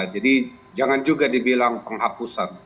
jadi jangan juga dibilang penghapusan